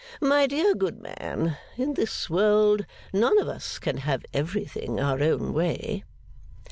My dear good man, in this world none of us can have everything our own way.